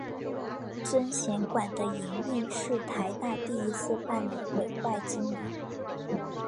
尊贤馆的营运是台大第一次办理委外经营。